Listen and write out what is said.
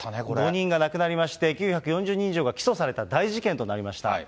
５人が亡くなりまして、９４０人以上が起訴された大事件となりました。